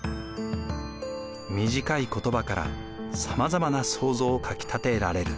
短い言葉からさまざまな想像をかきたてられる。